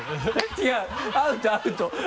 違うアウトアウト！